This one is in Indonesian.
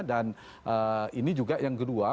dan ini juga yang kedua